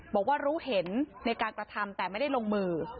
บอกว่ารู้เห็นในการกระทำแต่ไม่ได้ลงมือ